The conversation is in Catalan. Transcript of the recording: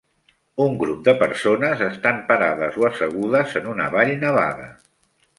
Un grup de persones estan parades o assegudes en una vall nevada.